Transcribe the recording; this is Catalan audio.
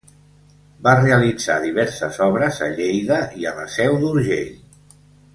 Va realitzar diverses obres a Lleida i a la Seu d'Urgell.